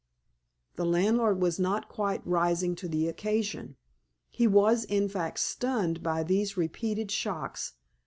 The landlord was not quite rising to the occasion. He was, in fact, stunned by these repeated shocks.